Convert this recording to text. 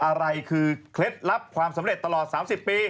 อะไรคือเคล็ดลับความสำเร็จตลอด๓๐ปี